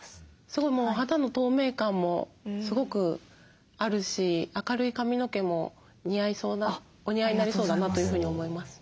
すごいもう肌の透明感もすごくあるし明るい髪の毛も似合いそうなお似合いになりそうだなというふうに思います。